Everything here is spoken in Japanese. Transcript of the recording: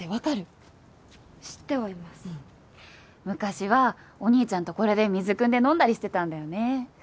昔はお兄ちゃんとこれで水くんで飲んだりしてたんだよね。